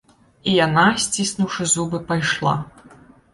І яна, сціснуўшы зубы, пайшла.